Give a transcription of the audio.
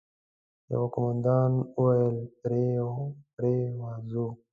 يوه قوماندان وويل: پرې ورځو!